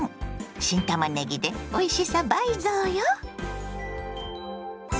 新たまねぎでおいしさ倍増よ！